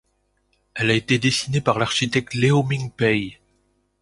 Elle a été dessinée par l'architecte Ieoh Ming Pei.